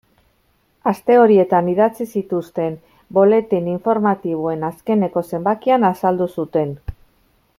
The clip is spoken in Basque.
Aste horietan idatzi zituzten buletin informatiboen azkeneko zenbakian azaldu zuten.